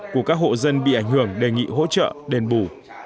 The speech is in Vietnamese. của các hộ dân bị ảnh hưởng đề nghị hỗ trợ đền bù